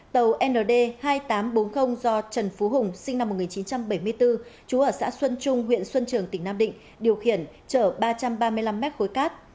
tàu nd hai nghìn tám trăm bốn mươi do trần phú hùng sinh năm một nghìn chín trăm bảy mươi bốn chú ở xã xuân trung huyện xuân trường tỉnh nam định điều khiển chở ba trăm ba mươi năm m khối cát